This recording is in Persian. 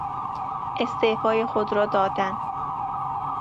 استعفای خود را دادن